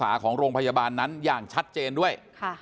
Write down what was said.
ที่รักษาของโรงพยาบาลนั้นอย่างชัดเจนด้วย